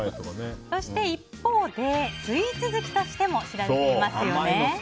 そして一方でスイーツ好きとしても知られていますよね。